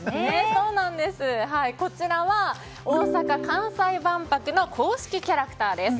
こちらは大阪・関西万博の公式キャラクターです。